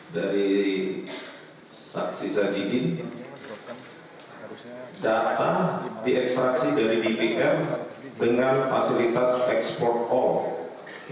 dari saksi zajidin data diekstraksi dari dpr dengan fasilitas export all